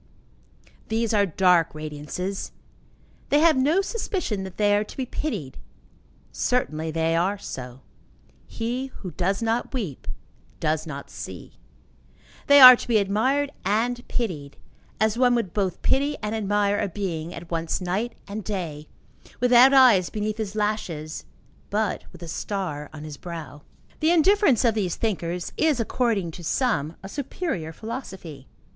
These are dark radiances. They have no suspicion that they are to be pitied. Certainly they are so. He who does not weep does not see. They are to be admired and pitied, as one would both pity and admire a being at once night and day, without eyes beneath his lashes but with a star on his brow. The indifference of these thinkers, is, according to some, a superior philosophy.